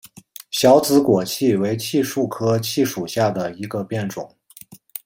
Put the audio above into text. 小紫果槭为槭树科槭属下的一个变种。